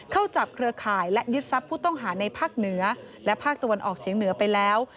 เข้าจับเครือข่ายและยึดทรัพย์ผู้ต้องหาในภาคเหนือและภาคตะวันออกเฉียงเหนือไปแล้ว